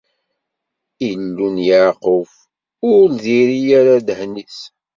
Illu n Yeɛqub ur d-irri ara ddehn-is.